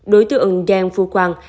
đối tượng đen vui quang